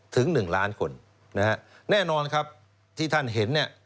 ถึง๑ล้านคนแน่นอนครับที่ท่านเห็น